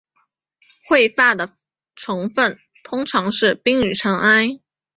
彗发的成分通常是冰与尘埃。